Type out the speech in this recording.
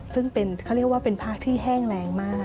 ซึ่งเขาเรียกว่าเป็นภาคที่แห้งแรงมาก